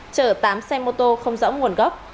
chở tám xe mô tô không rõ nguồn gốc